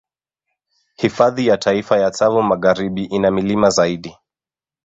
Hifadhi ya Taifa ya Tsavo Magharibi ina milima zaidi